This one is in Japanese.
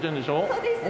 そうですね。